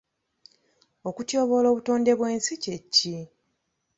Okutyoboola obutonde bw'ensi kye ki?